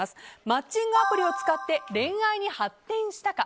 マッチングアプリを使って恋愛に発展したか。